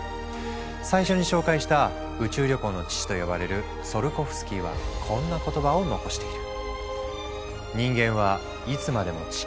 最初に紹介した「宇宙旅行の父」と呼ばれるツィオルコフスキーはこんな言葉を残している。